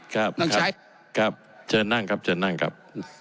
ครับนะครับครับเชิญนั่งครับเชิญนั่งครับ